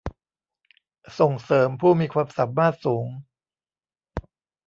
ส่งเสริมผู้มีความสามารถสูง